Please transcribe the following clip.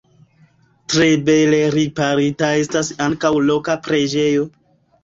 Tre bele riparita estas ankaŭ loka preĝejo.